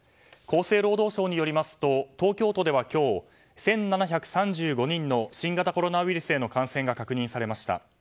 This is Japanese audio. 厚生労働省によりますと東京都では今日１７３５人の新型コロナウイルスへの感染が確認されました。